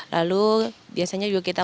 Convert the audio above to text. lalu biasanya juga kita